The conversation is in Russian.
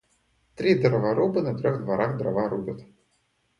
Три дроворуба на трех дворах дрова рубят.